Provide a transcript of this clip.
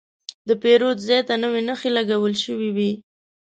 د پیرود ځای ته نوې نښې لګول شوې وې.